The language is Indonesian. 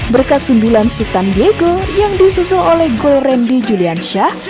berkat sundulan sultan diego yang disusul oleh gol randy julian shah